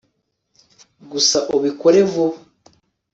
gusa ubikore vuba